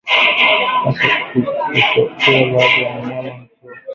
hasa hutokea baada ya mnyama huyo kupata jeraha